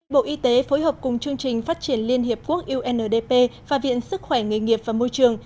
bộ y tế phối hợp cùng chương trình phát triển liên hiệp quốc undp và viện sức khỏe nghề nghiệp và môi trường